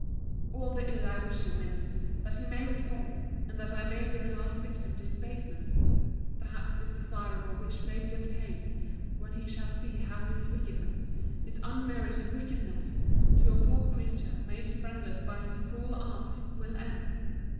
All the ill I wish him is, that he may reform; and that I may be the last victim to his baseness. Perhaps this desirable wish may be obtained, when he shall see how his wickedness, his unmerited wickedness! to a poor creature, made friendless by his cruel arts, will end.